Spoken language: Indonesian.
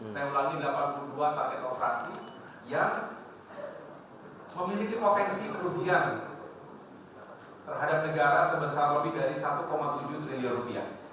saya ulangi delapan puluh dua paket operasi yang memiliki potensi kerugian terhadap negara sebesar lebih dari satu tujuh triliun rupiah